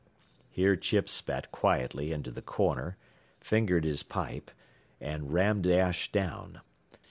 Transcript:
Here Chips spat quietly into the corner, fingered his pipe, and rammed the ash down.